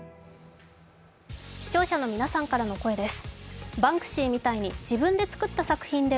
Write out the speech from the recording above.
視聴者の皆さんからの声です。